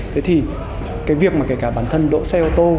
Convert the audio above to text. thế thì cái việc mà kể cả bản thân đỗ xe ô tô